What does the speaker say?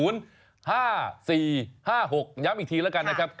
ย้ำอีกทีแล้วกันนะครับ๙๔๐๕๔๕๖